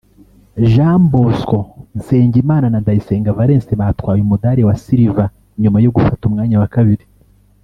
Jean Bosco Nsengimana na Ndayisenga Valens batwaye umudali wa Silver nyuma yo gufata umwanya wa kabiri